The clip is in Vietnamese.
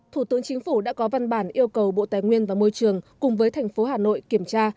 thủ tướng chính phủ đã có văn bản yêu cầu bộ tài nguyên và môi trường cùng với thành phố hà nội kiểm tra